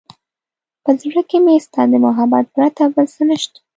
په زړه کې مې ستا د محبت پرته بل څه نشته.